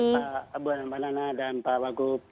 pak buana manana dan pak wagup